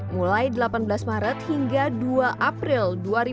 mulai delapan belas maret hingga dua april dua ribu dua puluh